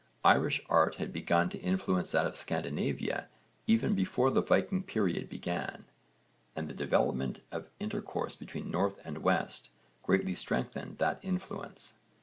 Irish art had begun to influence that of Scandinavia even before the Viking period began, and the development of intercourse between North and West greatly strengthened that influence.